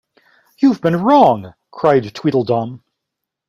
‘You’ve been wrong!’ cried Tweedledum.